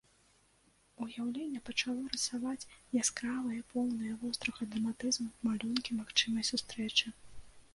Уяўленне пачало рысаваць яскравыя, поўныя вострага драматызму малюнкі магчымай сустрэчы.